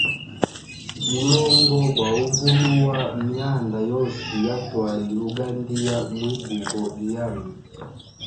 Mulongo gwa uvulua myanda yose ya twali ugandia mwi bugo lyami.